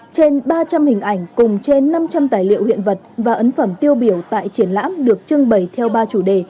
trên ba trăm linh hình ảnh cùng trên năm trăm linh tài liệu hiện vật và ấn phẩm tiêu biểu tại triển lãm được trưng bày theo ba chủ đề